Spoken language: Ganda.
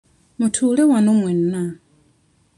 Mutuule wano mwenna.